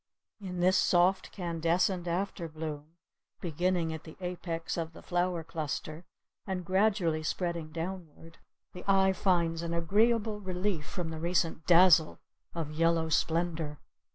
In this soft canescent afterbloom beginning at the apex of the flower cluster and gradually spreading downward, the eye finds an agreeable relief from the recent dazzle of yellow splendour.